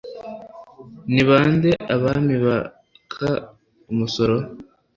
ni ba nde abami baka umusoro